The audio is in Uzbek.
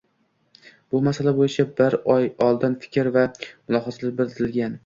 Bu masala bo'yicha bir oy oldin fikr va mulohazalar bildirilgan